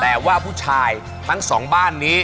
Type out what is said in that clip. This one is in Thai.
แต่ว่าผู้ชายทั้งสองบ้านนี้